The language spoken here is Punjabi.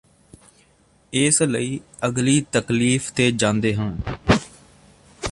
ਇਸ ਲਈ ਅਗਲੀ ਤਕਲੀਫ਼ ਤੇ ਜਾਂਦੇ ਹਾਂ